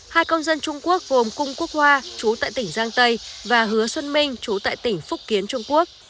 hai công dân trung quốc gồm cung quốc hoa chú tại tỉnh giang tây và hứa xuân minh chú tại tỉnh phúc kiến trung quốc